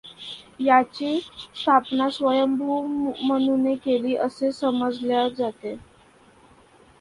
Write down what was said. याची स्थापना स्वायंभुव मनुने केली असे समजल्या जाते.